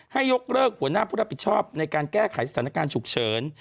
ยกเลิกหัวหน้าผู้รับผิดชอบในการแก้ไขสถานการณ์ฉุกเฉิน